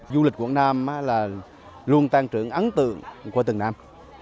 du lịch quảng nam luôn tăng trưởng ấn tượng của từng năm